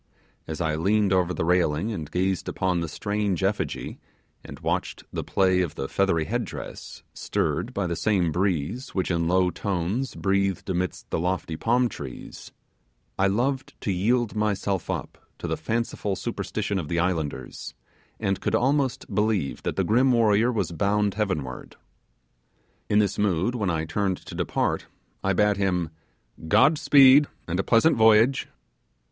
As I leaned over the railing and gazed upon the strange effigy and watched the play of the feathery head dress, stirred by the same breeze which in low tones breathed amidst the lofty palm trees, I loved to yield myself up to the fanciful superstition of the islanders, and could almost believe that the grim warrior was bound heavenward. In this mood when I turned to depart, I bade him 'God speed, and a pleasant voyage.